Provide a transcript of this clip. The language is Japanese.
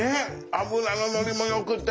脂の乗りもよくて。